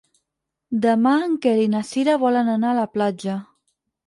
Demà en Quer i na Cira volen anar a la platja.